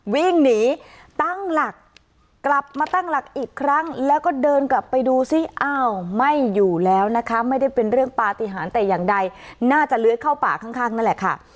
วิ่งหนีตั้งหลักกลับมาตั้งหลักอีกครั้งแล้วก็เดินกลับไปดูซิอ้าวไม่อยู่แล้วนะคะไม่ได้เป็นเรื่องปฏิหารแต่อย่างใดน่าจะเลื้อยเข้าป่าข้างนั่นแหละค่ะ